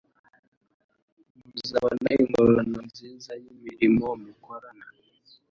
muzabona ingororano nziza' y'imirimo mukorana